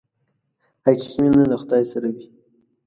حقیقي مینه له خدای سره وي.